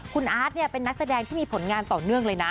คุณอาร์ตเป็นนักแสดงที่มีผลงานต่อเนื่องเลยนะ